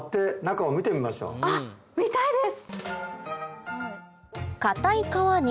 あっ見たいです！